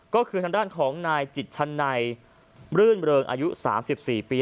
ก็คือทางด้านของนายจิตชันไนรื่นเริงอายุ๓๔ปี